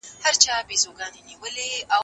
د څېړنې ځینې برخې خلکو ته مغشوشي ورکوي.